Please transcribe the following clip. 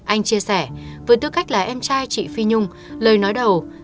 anh chia sẻ với tư cách là em trai chị phi nhung lời nói đầu